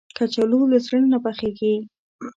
کچالو له زړه نه پخېږي